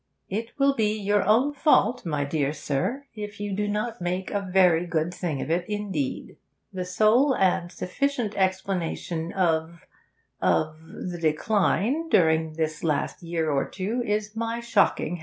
'It will be your own fault, my dear sir, if you do not make a very good thing of it indeed. The sole and sufficient explanation of of the decline during this last year or two is my shocking health.